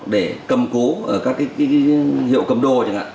để cầm cố ở các cái hiệu cầm đồ